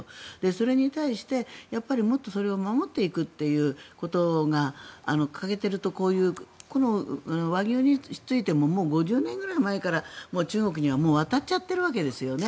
それに対してもっとそれを守っていくということが掲げていると、こういう和牛についてももう５０年ぐらい前から中国に渡っちゃっているわけですよね。